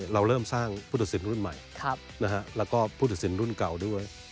เราเริ่มสร้างพุทธศิลป์รุ่นใหม่และพุทธศิลป์รุ่นเก่าด้วย